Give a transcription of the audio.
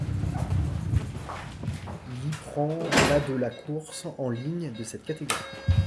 Il y prend la de la course en ligne de cette catégorie.